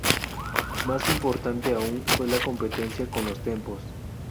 Más importante aún fue la competencia con los tempos.